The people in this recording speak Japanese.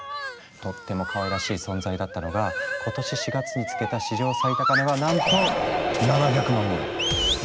とってもかわいらしい存在だったのが今年４月に付けた史上最高値はなんと７００万超え。